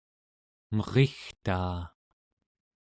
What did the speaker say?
merigtaa